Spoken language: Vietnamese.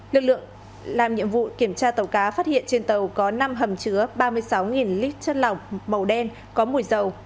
lực lượng làm nhiệm vụ kiểm tra tàu cá phát hiện trên tàu có năm hầm chứa ba mươi sáu lít chất lỏng màu đen có mùi dầu